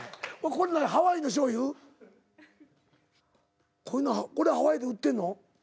これハワイで売ってんの？